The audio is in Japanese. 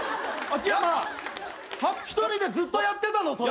１人でずっとやってたの？